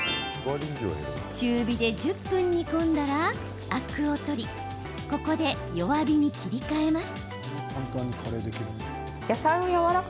中火で１０分煮込んだらアクを取りここで弱火に切り替えます。